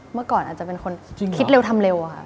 เมื่อก่อนอาจจะเป็นคนคิดเร็วทำเร็วอะค่ะ